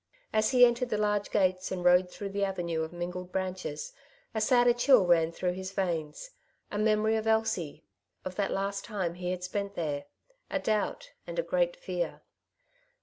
As ho entered the large gates and rode through the avenue of mingled branches, a sadder chill ran through his veins, a memory of Elsie, of that last time he had spent there ; a doubt, and a great fear.